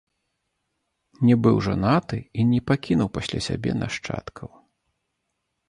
Не быў жанаты і не пакінуў пасля сябе нашчадкаў.